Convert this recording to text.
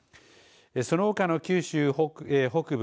そのほかの九州北部